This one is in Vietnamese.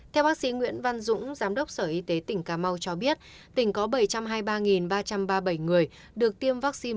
theo bác sĩ nguyễn văn dũng giám đốc sở y tế tỉnh cà mau cho biết tỉnh có bảy trăm hai mươi ba ba trăm ba mươi bảy người được tiêm vaccine